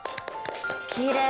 きれい！